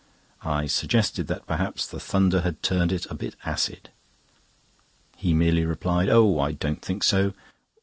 I suggested that perhaps the thunder had turned it a bit acid. He merely replied: "Oh! I don't think so."